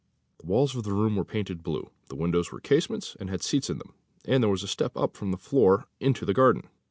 The walls of the room were painted blue, the windows were casements, and had seats in them, and there was a step up from the floor into the garden.